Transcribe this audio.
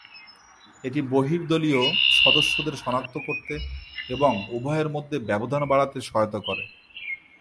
এটি বহিঃদলীয় সদস্যদের সনাক্ত করতে এবং উভয়ের মধ্যে ব্যবধান বাড়াতে সহায়তা করে।